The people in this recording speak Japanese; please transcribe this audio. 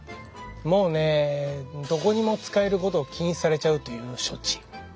もうねどこにも仕えることを禁止されちゃうという処置。